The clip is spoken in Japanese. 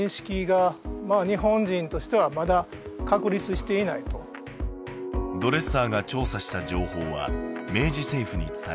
しかしドレッサーが調査した情報は明治政府に伝えられ